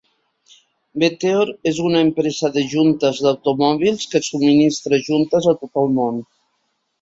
Meteor és una empresa de juntes d'automòbils que subministra juntes a tot el món.